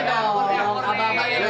aaaa tunggu gua dong